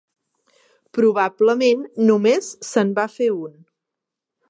Probablement només se'n va fer un.